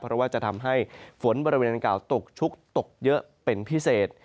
เพราะว่าจะทำให้ฝนบริเวณดังกล่าตกชุกตกเยอะเป็นพิเศษ